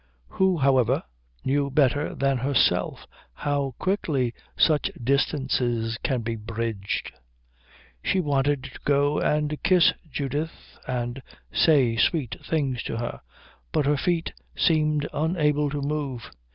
Who, however, knew better than herself how quickly such distances can be bridged? She wanted to go and kiss Judith and say sweet things to her, but her feet seemed unable to move.